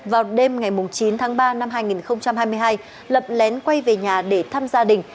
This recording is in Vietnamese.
vào đêm ngày chín tháng ba năm hai nghìn hai mươi hai lập lén quay về nhà để thăm gia đình